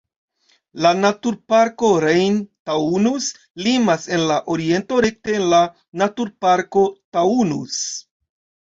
La naturparko Rhein-Taunus limas en la oriento rekte en la naturparko Taunus.